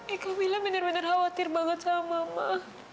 ikut mila benar benar khawatir banget sama mama